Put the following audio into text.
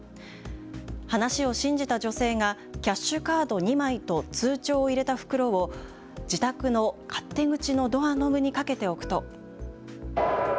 話を信じた女性がキャッシュカード２枚と通帳を入れた袋を自宅の勝手口のドアノブに掛けておくと。